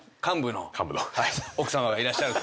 奥さまがいらっしゃる。